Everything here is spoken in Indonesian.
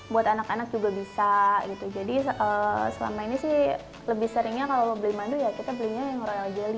buat anak anak juga bisa gitu jadi selama ini sih lebih seringnya kalau mau beli madu ya kita belinya yang royal jelly